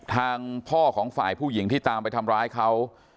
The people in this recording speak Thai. ทางพ่อของฝ่ายผู้หญิงที่ตามไปทำร้ายเขา